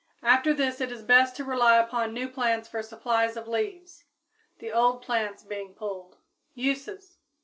After this it is best to rely upon new plants for supplies of leaves, the old plants being pulled. _Uses.